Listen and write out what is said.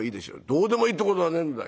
「どうでもいいってことはねえんだ。